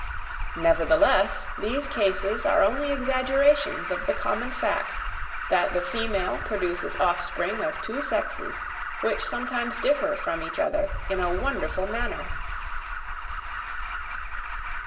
Nevertheless these cases are only exaggerations of the common fact that the female produces offspring of two sexes which sometimes differ from each other in a wonderful manner.